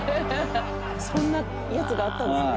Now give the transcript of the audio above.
そんなやつがあったんですね。